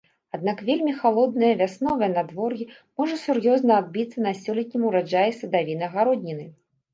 Аднак вельмі халоднае веснавое надвор'е можа сур'ёзна адбіцца на сёлетнім ураджаі садавіны-гародніны.